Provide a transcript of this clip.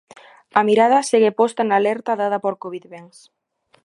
A mirada segue posta na alerta dada por CovidBens.